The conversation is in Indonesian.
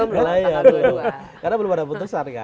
karena belum ada putusan kan